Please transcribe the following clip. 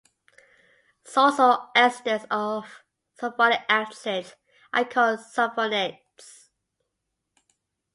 Salts or esters of sulfonic acids are called sulfonates.